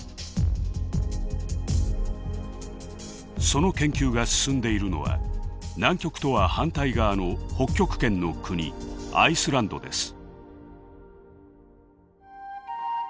その研究が進んでいるのは南極とは反対側の北極圏の国アイスランドです。